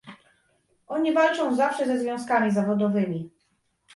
Oni walczą zawsze ze związkami zawodowymi